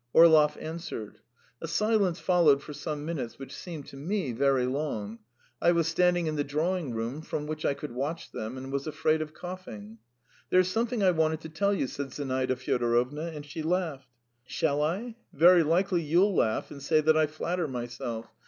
Orlov answered. A silence followed for some minutes which seemed to me very long. I was standing in the drawing room, from which I could watch them, and was afraid of coughing. "There is something I wanted to tell you," said Zinaida Fyodorovna, and she laughed; "shall I? Very likely you'll laugh and say that I flatter myself.